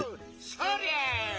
そりゃ！